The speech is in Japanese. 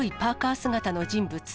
姿の人物。